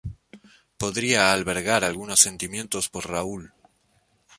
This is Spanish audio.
Podría albergar algunos sentimientos por Raúl.